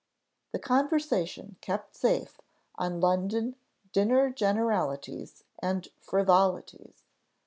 The conversation kept safe on London dinner generalities and frivolities.